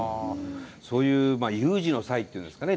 そういう有事の際っていうんですかね